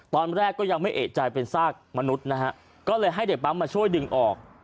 ตอนแรกก็ยังไม่เอกใจเป็นซากมนุษย์นะฮะก็เลยให้เด็กปั๊มมาช่วยดึงออก